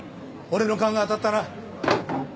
俺の勘が当たったな。